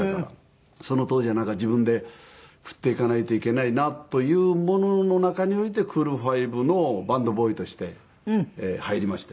その当時はなんか自分で食っていかないといけないなというものの中においてクール・ファイブのバンドボーイとして入りまして。